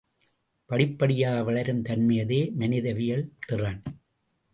படிப்படியாக வளரும் தன்மையதே மனிதவியல் திறன்.